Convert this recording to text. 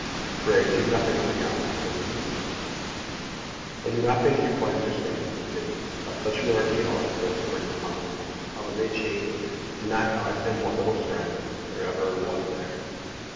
"Pray do nothing of the kind," said Mr. Monk. "I do not think you quite understand," said Phineas, "how such an ordeal as this works upon a man, how it may change a man, and knock out of him what little strength there ever was there.